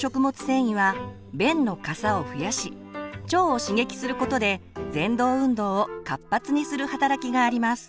繊維は便のかさを増やし腸を刺激することでぜん動運動を活発にする働きがあります。